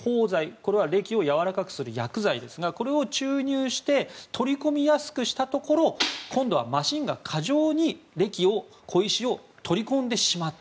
これは礫をやわらかくするための薬剤ですがこれを注入して取り込みやすくしたところマシンが小石を過剰に取り込んでしまった。